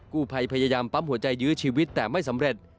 กู้ภัยพยายามปั๊มหัวใจยื้อชีวิตแต่ไม่สำเร็จ